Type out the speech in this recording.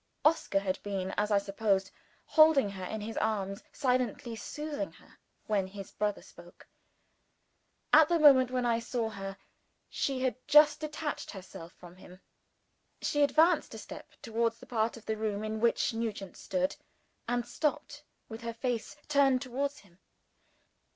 Oscar had been as I supposed holding her in his arms, silently soothing her, when his brother spoke. At the moment when I saw her, she had just detached herself from him. She advanced a step, towards the part of the room in which Nugent stood and stopped, with her face turned towards him.